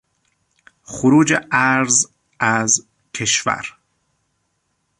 خروج ارز از کشور